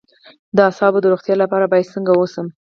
د اعصابو د روغتیا لپاره باید څنګه اوسم؟